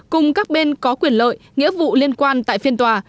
cùng các bên có quyền lợi nghĩa vụ liên quan tại phiên tòa